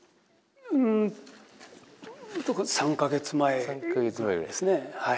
うんと３か月前ぐらいですねはい。